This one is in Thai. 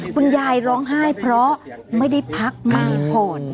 คุณยายร้องไห้เพราะไม่ได้พักไม่ได้ผ่อน